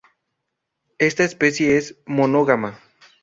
Esta especie es monógama.